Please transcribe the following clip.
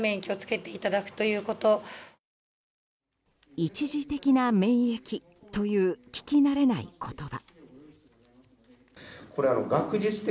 一次的な免疫という聞きなれない言葉。